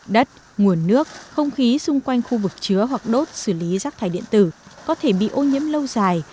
đất nguồn nước không khí xung quanh khu vực chứa hoặc đốt xử lý rác thải điện tử có thể bị ô nhiễm lâu dài